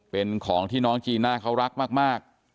เป็นของที่น้องจีน่าเขารักมาก